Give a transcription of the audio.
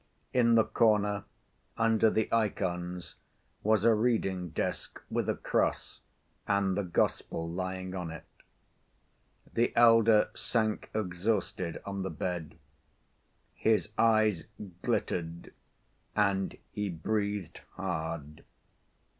In the corner, under the ikons, was a reading‐desk with a cross and the Gospel lying on it. The elder sank exhausted on the bed. His eyes glittered and he breathed hard.